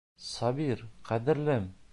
Сабир, ҡәҙерлем!